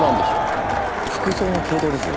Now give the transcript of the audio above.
服装の系統ですよ。